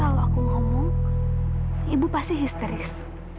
kalau aku ngomong ibu pasti histeris